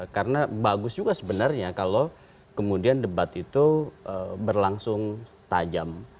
karena bagus juga sebenarnya kalau kemudian debat itu berlangsung tajam